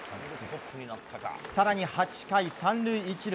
更に８回、３塁１塁。